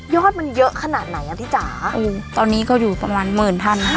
อดมันเยอะขนาดไหนอ่ะพี่จ๋าตอนนี้ก็อยู่ประมาณหมื่นพันห้า